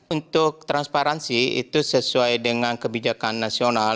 untuk transparansi itu sesuai dengan kebijakan nasional